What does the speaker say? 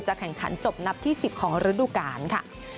แข่งขันจบนับที่๑๐ของฤดูกาลค่ะ